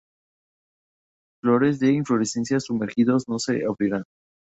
Flores en inflorescencias sumergidos no se abrirán.